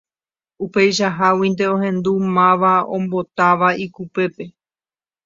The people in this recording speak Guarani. Upeichaháguinte ohendu máva ombotáva ikupépe.